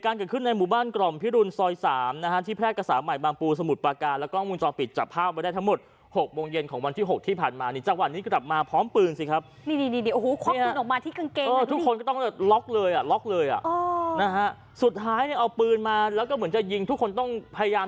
การทำนมบ้าที่เราอดอุบัติจากสถานประชาติเป็นเฉพาะหน่อ